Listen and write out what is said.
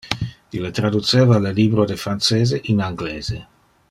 Ille traduceva le libro de francese in anglese.